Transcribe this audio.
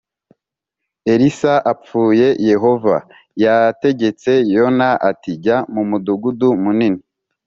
Elisa apfuye Yehova yategetse Yona ati jya mu mudugudu munini